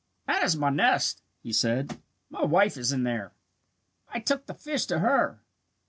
"That is my nest," he said. "My wife is in there. I took the fish to her.